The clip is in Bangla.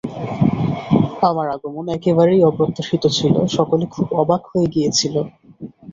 আমার আগমন একেবারেই অপ্রত্যাশিত ছিল, সকলে খুব অবাক হয়ে গিয়েছিল।